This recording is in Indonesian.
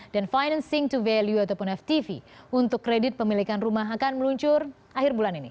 dan financing to value ataupun ftv untuk kredit pemilikan rumah akan meluncur akhir bulan ini